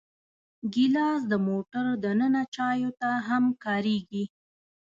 ګیلاس د موټر دننه چایو ته هم کارېږي.